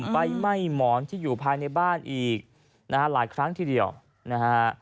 ไหม้หมอนที่อยู่ภายในบ้านอีกนะฮะหลายครั้งทีเดียวนะฮะ